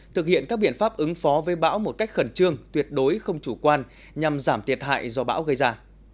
thực hiện các biện pháp ứng phó với bão một cách khẩn trương tuyệt đối không chủ quan nhằm giảm thiệt hại do bão gây ra